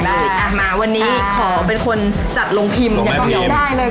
ได้มาวันนี้ขอเป็นคนจัดลงพิมพ์อย่างเดียว